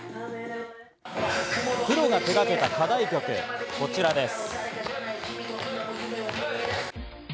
プロが手がけた課題曲、こちらです。